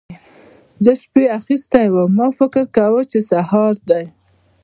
زه شپې اخيستی وم؛ ما فکر کاوو چې سهار دی.